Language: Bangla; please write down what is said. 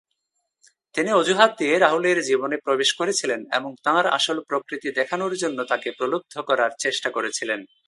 তিনি অজুহাত দিয়ে রাহুলের জীবনে প্রবেশ করেছিলেন এবং তাঁর আসল প্রকৃতি দেখানোর জন্য তাকে প্রলুব্ধ করার চেষ্টা করেছিলেন।